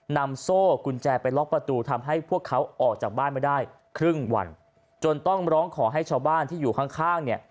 โซ่กุญแจไปล็อกประตูทำให้พวกเขาออกจากบ้านไม่ได้ครึ่งวันจนต้องร้องขอให้ชาวบ้านที่อยู่ข้างข้างเนี่ย